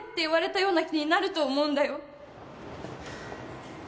言われたような気になると思うんだよ